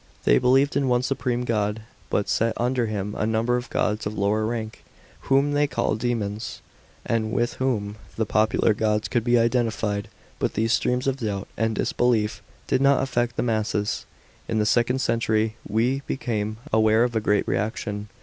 They believed in one supreme god; but set under him a number of gods of lower rank, whom they call dsemons, and with whom the popular gods could be identified. But these streams of doubt and disbelief <*id not affect the masses. In the second century we become aware of a great reaction.